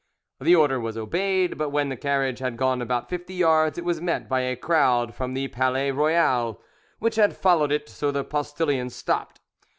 The order was obeyed, but when the carriage had gone about fifty yards it was met by the crowd from the "Palais Royal," which had followed it, so the postillion stopped.